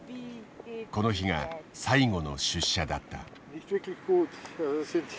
この日が最後の出社だった。